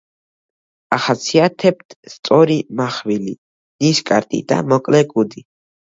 ახასიათებთ სწორი მახვილი ნისკარტი და მოკლე კუდი.